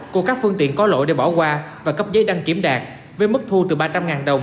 của các phương tiện có lỗi để bỏ qua và cấp giấy đăng kiểm đạt với mức thu từ ba trăm linh đồng